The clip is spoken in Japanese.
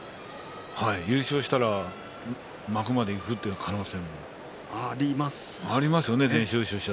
優勝したら幕までいく可能性もありますよね。